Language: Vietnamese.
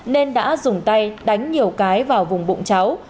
nên đã dùng tay đánh nhiều cái vào vùng bụng cháu